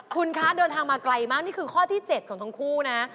คุณคะเดินทางมาไกลมากนี่คือข้อที่๗ของทั้งคู่นะ